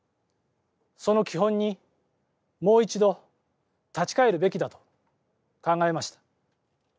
その基本に、もう一度立ち返るべきだと考えました。